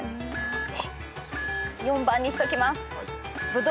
４番にしときます。